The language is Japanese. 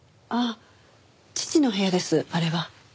ああ父の部屋ですあれは。